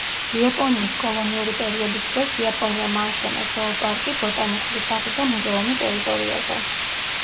იაპონიის კოლონიური პერიოდის დროს, იაპონიამ ააშენა ზოოპარკი, ბოტანიკური ბაღი და მუზეუმი ტერიტორიაზე.